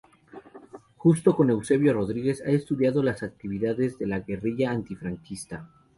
Junto con Eusebio Rodríguez ha estudiado las actividades de la guerrilla antifranquista.